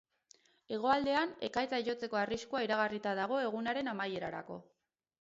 Hegoaldean, ekaitzak jotzeko arriskua iragarrita dago egunaren amaierarako.